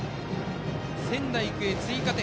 仙台育英、追加点。